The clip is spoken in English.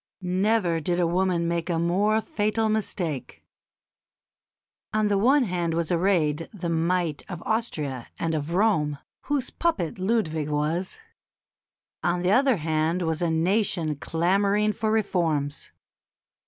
Never did woman make a more fatal mistake. On the one hand was arrayed the might of Austria and of Rome, whose puppet Ludwig was; on the other hand was a nation clamouring for reforms.